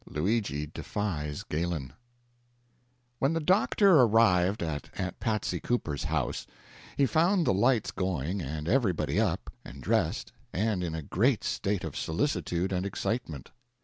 LUIGI DEFIES GALEN When the doctor arrived at Aunt Patsy Cooper's house, he found the lights going and everybody up and dressed and in a great state of solicitude and excitement.